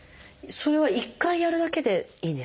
それは１回やるだけでいいんですか？